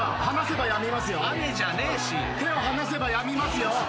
手を離せばやみますよ。